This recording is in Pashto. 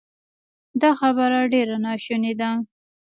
دا خبره ډېره ناشونې ده